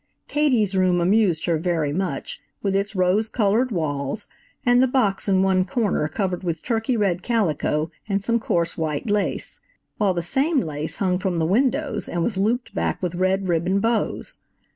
Katie's room amused her very much, with its rose colored walls, and the box in one corner covered with turkey red calico and some coarse white lace, while the same lace hung from the windows and was looped back with red ribbon bows.